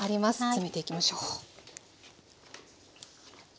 詰めていきましょう。